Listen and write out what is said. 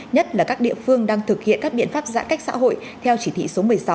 nhất là các địa phương đang thực hiện các biện pháp giãn cách xã hội theo chỉ thị số một mươi sáu